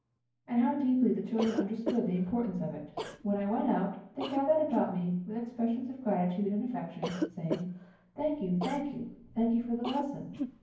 And how deeply the children understood the importance of it! When I went out, they gathered about me with expressions of gratitude and affection, saying, "Thank you! Thank you! Thank you for the lesson!"